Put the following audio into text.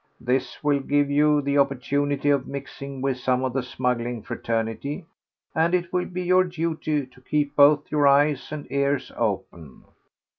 This will give you the opportunity of mixing with some of the smuggling fraternity, and it will be your duty to keep both your eyes and ears open.